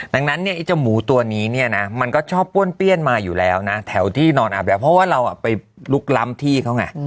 ดังนั้นเนี่ยไอ้เจ้าหมูตัวนี้เนี่ยนะมันก็ชอบป้วนเปี้ยนมาอยู่แล้วนะแถวที่นอนอาบแบบเพราะว่าเราไปลุกล้ำที่เขาไง